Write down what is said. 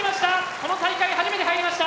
この大会初めて入りました。